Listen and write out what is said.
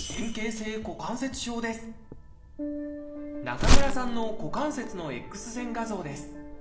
中村さんの股関節のＸ線画像です。